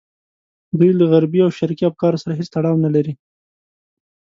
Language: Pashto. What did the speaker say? دوی له غربي او شرقي افکارو سره هېڅ تړاو نه لري.